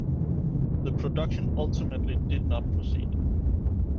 The production ultimately did not proceed.